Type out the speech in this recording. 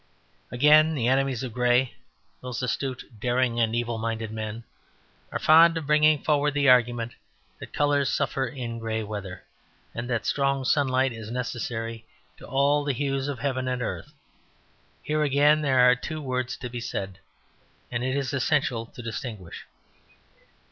Again, the enemies of grey (those astute, daring and evil minded men) are fond of bringing forward the argument that colours suffer in grey weather, and that strong sunlight is necessary to all the hues of heaven and earth. Here again there are two words to be said; and it is essential to distinguish.